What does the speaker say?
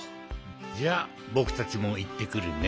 じゃあぼくたちもいってくるね。